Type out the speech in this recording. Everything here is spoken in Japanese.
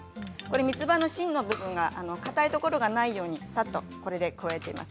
みつばの芯の部分かたいところがないようにこれでさっと加えています。